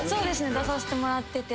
出させてもらってて。